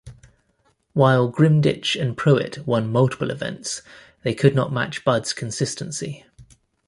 While Grimditch and Pruitt won multiple events, they could not match Budd's consistency.